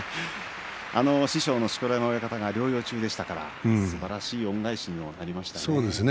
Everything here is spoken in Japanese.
師匠の錣山親方は療養中でしたからすばらしい恩返しになりましたね。